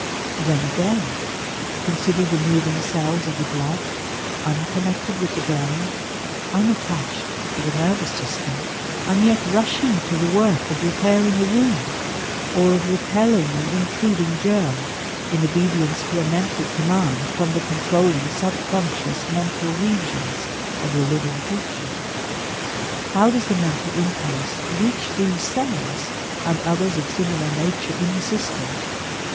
Then, again, consider the moving cells of the blood, unconnected with the brain, unattached to the nervous system, and yet rushing to the work of repairing a wound, or of repelling an intruding germ, in obedience to a mental command from the controlling subconscious mental regions of the living creature. How does the mental impulse reach these cells and others of similar nature in the system?